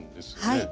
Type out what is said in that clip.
はい。